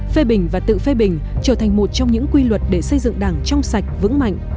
phê bình và tự phê bình trở thành một trong những quy luật để xây dựng đảng trong sạch vững mạnh